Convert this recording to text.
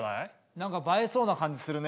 何か映えそうな感じするね。